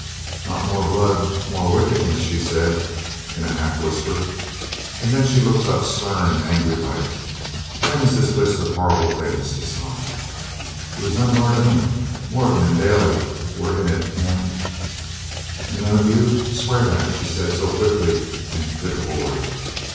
'Not more blood, more wickedness,' she said, in a half whisper, and then she looks up stern and angry like. 'When is this list of horrible things to stop?' 'It was none of our doing. Moran and Daly were in it, and ' 'And none of you? Swear that,' she said, so quick and pitiful like.